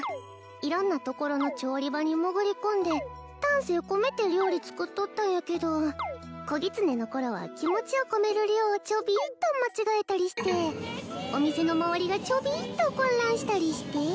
色んなところの調理場に潜り込んで丹精込めて料理作っとったんやけど子ギツネの頃は気持ちを込める量をちょびっと間違えたりしてお店の周りがちょびっと混乱したりして？